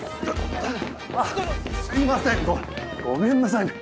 あっすいませんごめんなさいね。